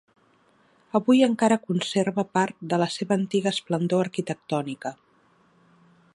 Avui encara conserva part de la seva antiga esplendor arquitectònica.